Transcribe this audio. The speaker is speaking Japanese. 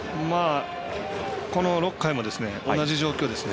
この６回も同じ状況ですね。